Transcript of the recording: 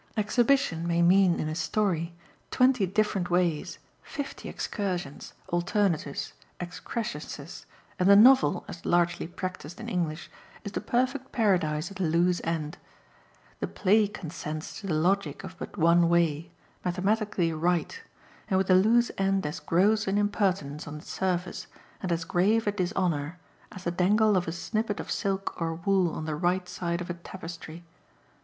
Exhibition may mean in a "story" twenty different ways, fifty excursions, alternatives, excrescences, and the novel, as largely practised in English, is the perfect paradise of the loose end. The play consents to the logic of but one way, mathematically right, and with the loose end as gross an impertinence on its surface, and as grave a dishonour, as the dangle of a snippet of silk or wool on the right side of a tapestry.